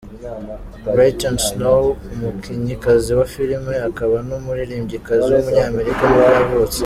Brittany Snow, umukinnyikazi wa filime akaba n’umuririmbyikazi w’umunyamerika nibwo yavutse.